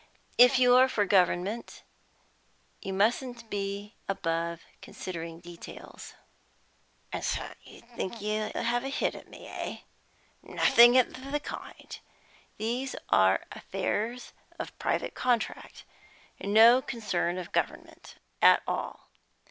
"If you're for government, you mustn't be above considering details." "And so you think you have a hit at me, eh? Nothing of the kind. These are affairs of private contract, and no concern of government at all.